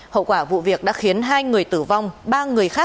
hậu quả vụ việc đã khiến hai người tử vong ba người khác